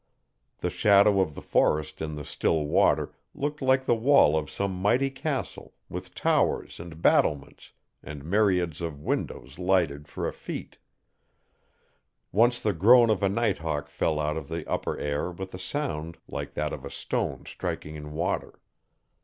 The shadow of the forest in the still water looked like the wall of some mighty castle with towers and battlements and myriads of windows lighted for a fete. Once the groan of a nighthawk fell out of the upper air with a sound like that of a stone striking in water.